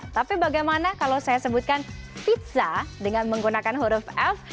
tapi bagaimana kalau saya sebutkan pizza dengan menggunakan huruf f